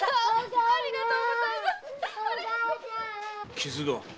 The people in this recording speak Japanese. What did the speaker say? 傷が！